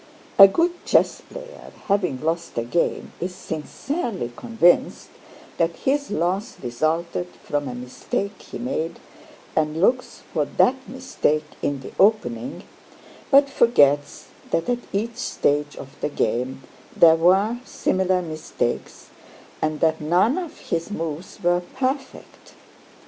A good chessplayer having lost a game is sincerely convinced that his loss resulted from a mistake he made and looks for that mistake in the opening, but forgets that at each stage of the game there were similar mistakes and that none of his moves were perfect.